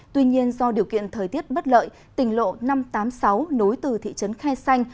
tuy nhiên do điều kiện thời tiết bất lợi tỉnh lộ năm trăm tám mươi sáu nối từ thị trấn khe xanh